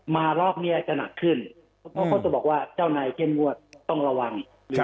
มารอบนี้อาจจะหนักขึ้นเพราะเขาจะบอกว่าเจ้านายเข้มงวดต้องระวัง